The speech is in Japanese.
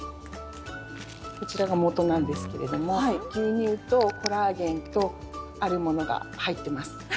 こちらが、もとなんですけれども牛乳とコラーゲンとあるものが入っています。